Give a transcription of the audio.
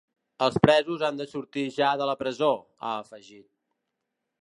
Els presos ha de sortir ja de la presó, ha afegit.